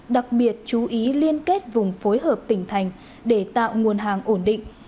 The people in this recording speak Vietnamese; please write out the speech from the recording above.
đặc biệt chú ý liên kết vùng phối hợp tỉnh thành để tạo nguồn hàng ổn định